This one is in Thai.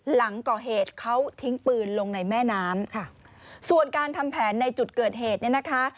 หลังก่อเหตุเขาทิ้งปืนลงในแม่น้ำค่ะส่วนการทำแผนในจุดเกิดเหตุเนี่ยนะคะ